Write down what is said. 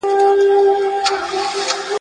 درباندي راسي دېوان په ډله !.